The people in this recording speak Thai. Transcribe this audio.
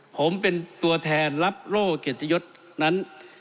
ผมเป็นตัวแทนรับโล่เกียรติยศนั้น